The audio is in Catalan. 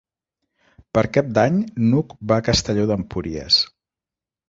Per Cap d'Any n'Hug va a Castelló d'Empúries.